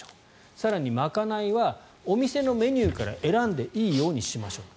更に賄いはお店のメニューから選んでいいよにしましょうと。